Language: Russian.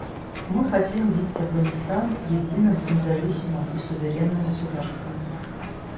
Мы хотим видеть Афганистан единым, независимым и суверенным государством.